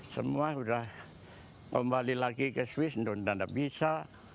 semua sudah kembali lagi ke swiss dan bisa